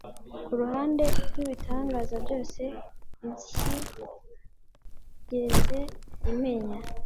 Kuruhande rw'ibitangaza byose isyigezeimenya